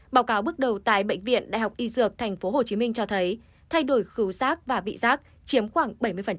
báo cáo bước đầu tại bệnh viện đại học y dược tp hcm cho thấy thay đổi khứu rác và vị rác chiếm khoảng bảy mươi